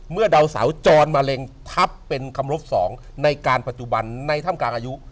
เมื่อดาวเสาจรมาเร่งทัพเป็นคำรบ๒ในการปัจจุบันในท่ามกลางอายุ